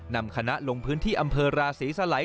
นำคณะลงพื้นที่อำเภอราศรีสลัย